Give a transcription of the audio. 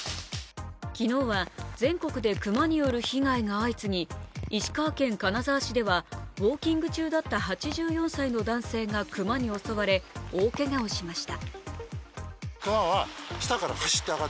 昨日は全国で熊による被害が相次ぎ石川県金沢市ではウオーキング中だった８４歳の男性が熊に襲われ大けがをしました。